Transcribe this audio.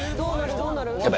どうなる？